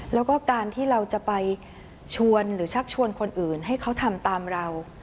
แล้วก็การที่เราจะไปชวนหรือชักชวนคนอื่นให้เขาทำตามเรา